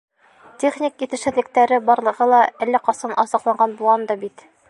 Техник етешһеҙлектәре барлығы ла әллә ҡасан асыҡланған булған да бит...